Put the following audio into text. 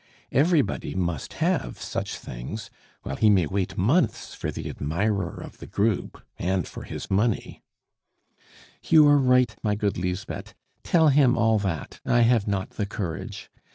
Everybody must have such things, while he may wait months for the admirer of the group and for his money " "You are right, my good Lisbeth. Tell him all that; I have not the courage.